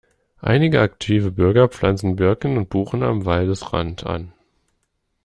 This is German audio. Einige aktive Bürger pflanzen Birken und Buchen am Waldesrand an.